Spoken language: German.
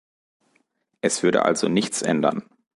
Es würde also nichts ändern.